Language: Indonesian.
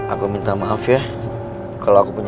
aku sudah mencoba untuk mencoba